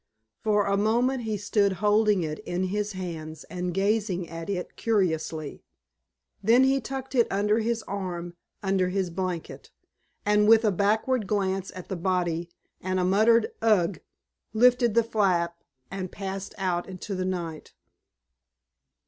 For a moment he stood holding it in his hands and gazing at it curiously. Then he tucked it under his arm under his blanket, and with a backward glance at the body and a muttered "Ugh!" lifted the flap and passed out into the night.